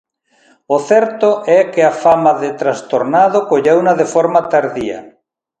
O certo é que a fama de trastornado colleuna de forma tardía.